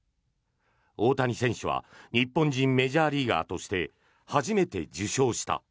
大谷選手は日本人メジャーリーガーとして初めて受賞した。